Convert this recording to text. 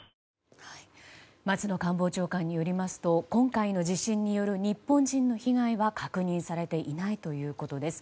松野官房長官によりますと今回の地震による日本人の被害は確認されていないということです。